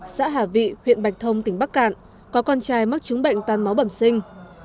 xã hà vị huyện bạch thông tỉnh bắc cạn có con trai mắc chứng bệnh tan máu bẩm sinh